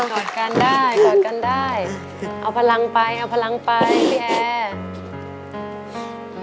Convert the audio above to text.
กอดกันได้กอดกันได้เอาพลังไปเอาพลังไปพี่แอร์อืม